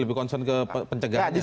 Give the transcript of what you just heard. jadi itu konsen ke pencegahan ya